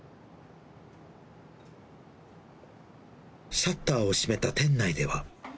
シャッターを閉めた店内では。